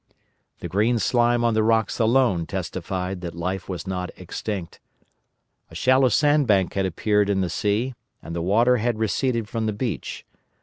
The green slime on the rocks alone testified that life was not extinct. A shallow sandbank had appeared in the sea and the water had receded from the beach.